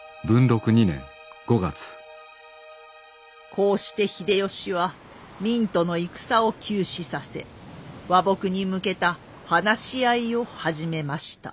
こうして秀吉は明との戦を休止させ和睦に向けた話し合いを始めました。